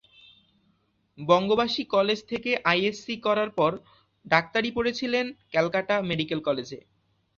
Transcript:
বঙ্গবাসী college থেকে ISc করার পর ডাক্তারি পড়েছিলেন ক্যালকাটা মেডিকেল কলেজে।